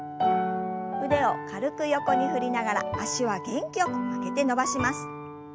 腕を軽く横に振りながら脚は元気よく曲げて伸ばします。